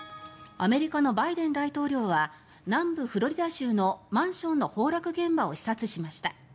アメリカのバイデン大統領は南部フロリダ州のマンションの崩落現場を視察しました。